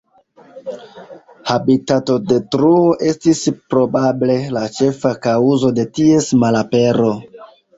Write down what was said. Habitatodetruo estis probable la ĉefa kaŭzo de ties malapero.